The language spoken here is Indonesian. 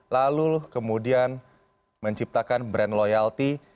lalu kemudian menciptakan brand loyalti